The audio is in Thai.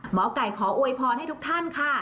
หมอไก่ขออวยพรให้ทุกท่านค่ะ